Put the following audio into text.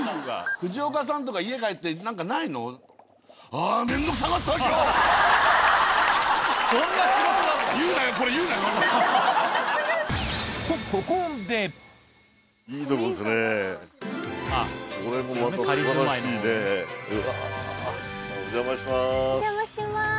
藤岡さんとか家帰って何かないの？とお邪魔します。